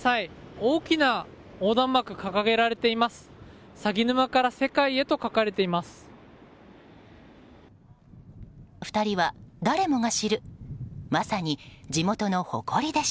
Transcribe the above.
大きな横断幕が掲げられています。